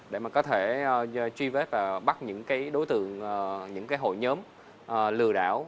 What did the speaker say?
để mà có thể truy vết và bắt những cái đối tượng những cái hội nhóm lừa đảo